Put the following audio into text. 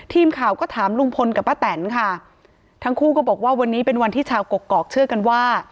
ทีมข่าวก็ถามลุงพลกับป้าแตนค่ะทั้งคู่ก็บอกว่าวันนี้เป็นวันที่ชาวกกอกเชื่อกันว่า